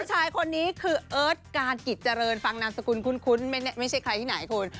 ผู้ชายคนนี้คือเอิร์ทการกิจเจริญฟังนามสกุลคุ้นไม่ใช่ใครที่ไหนคุณ